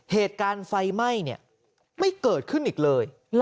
เหตุการณ์ไฟไหม้เนี่ยไม่เกิดขึ้นอีกเลย